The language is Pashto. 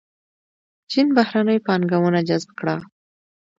چین بهرنۍ پانګونه جذب کړه.